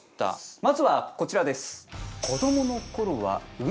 まずはこちらです。